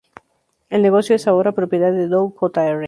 El negocio es ahora propiedad de Doug Jr.